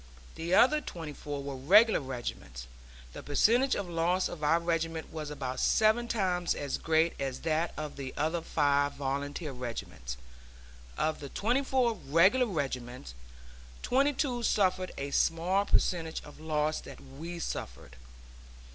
The other twenty four were regular regiments. The percentage of loss of our regiment was about seven times as great as that of the other five volunteer regiments. Of the twenty four regular regiments, twenty two suffered a smaller percentage of loss than we suffered.